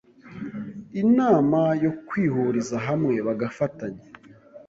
inama yo kwihuriza hamwe bagafatanya